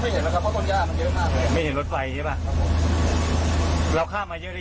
มันไม่เห็นละครับเพราะต้นยากมันเยอะมากเลย